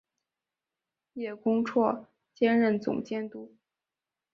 叶恭绰兼任总监督。